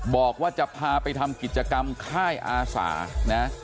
บอกว่าจะพาไปทำกิจกรรมค่ายอาสานะ